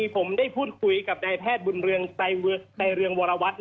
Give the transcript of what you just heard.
ผมได้พูดคุยกับนายแพทย์บุญเรืองในเรืองวรวัตร